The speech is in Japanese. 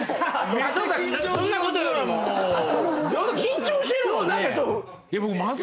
緊張してるもんね？